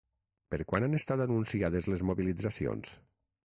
Per quan han estat anunciades les mobilitzacions?